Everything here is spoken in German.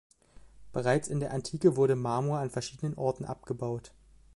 Bereits in der Antike wurde Marmor an verschiedenen Orten abgebaut.